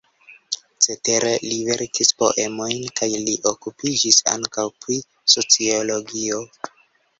Cetere li verkis poemojn kaj li okupiĝis ankaŭ pri sociologio.